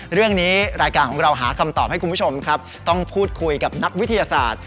รายการของเราหาคำตอบให้คุณผู้ชมครับต้องพูดคุยกับนักวิทยาศาสตร์